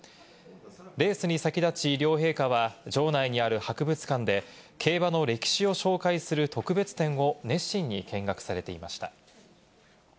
レースに先立ち両陛下は場内にある博物館で競馬の歴史を紹介する特別展を熱心に見学されていました。